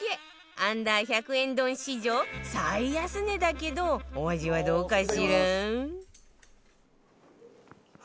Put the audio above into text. Ｕ−１００ 円丼史上最安値だけどお味はどうかしら？